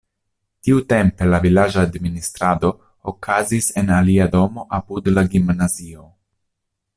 Tiutempe la vilaĝa administrado okazis en alia domo apud la gimnazio.